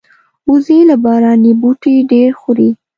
وزې له باراني بوټي ډېر خوري